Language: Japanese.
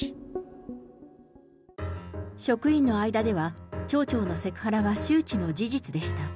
職員の間では、町長のセクハラは周知の事実でした。